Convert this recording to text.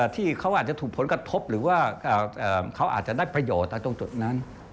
ที่เขาอาจจะถูกผลกระทบหรือว่าเขาอาจจะได้ประโยชน์ตรงจุดนั้น